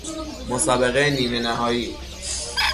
مسابقه نیمه نهائی